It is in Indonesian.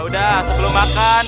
ya udah sebelum makan